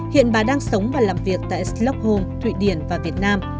hiện bà đang sống và làm việc tại slock home thụy điển và việt nam